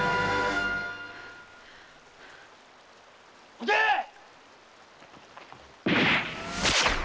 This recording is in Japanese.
・撃てっ！